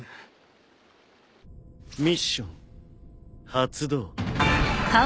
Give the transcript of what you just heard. ミッション発動。